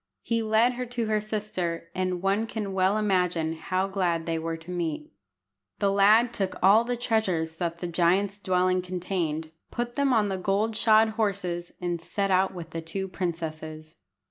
He led her to her sister, and one can well imagine how glad they were to meet. The lad took all the treasures that the giant's dwelling contained, put them on the gold shod horses, and set out with the two princesses.